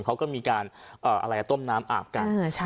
เค้าก็มีการเอ่ออะไรก็ต้มน้ำอาบกันเออใช่ค่ะ